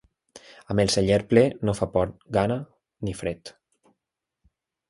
Amb el celler ple no fa por gana ni fred.